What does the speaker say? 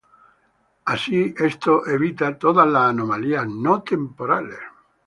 Así, esto evita todas las anomalías no-temporales.